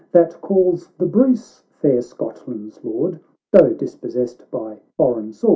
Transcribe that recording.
That calls the Bruce fair Scotland's Lord, Though dispossessed by foreign sword.